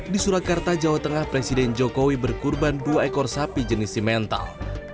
di surakarta jawa tengah presiden jokowi berkurban dua ekor sapi jenis simental